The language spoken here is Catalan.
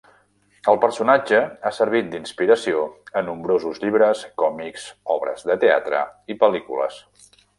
El personatge ha servit d'inspiració a nombrosos llibres, còmics, obres de teatre i pel·lícules.